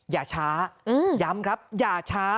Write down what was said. อย่าช้าย้ำครับอย่าช้า